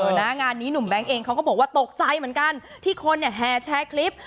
หน้างานนี้หนุ่มแบงค์เองเขาก็บอกว่าตกใจเหมือนกันที่คนเนี่ยแห่แชร์คลิป